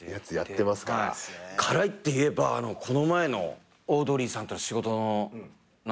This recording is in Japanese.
辛いっていえばこの前のオードリーさんとのロケなんですけど。